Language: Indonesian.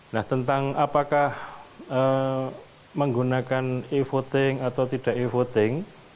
nah tentang apakah menggunakan e voting atau tidak e voting